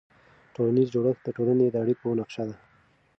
ټولنیز جوړښت د ټولنې د اړیکو نقشه ده.